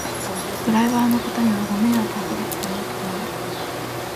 ドライバーの方にはご迷惑をかけたと思っている